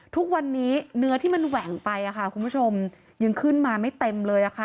ทุกวันนี้เนื้อที่มันแหว่งไปค่ะคุณผู้ชมยังขึ้นมาไม่เต็มเลยค่ะ